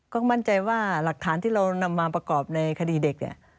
ก็มั่นใจว่าหลักฐานที่เรานำมาประกอบในคดีเด็กเนี่ย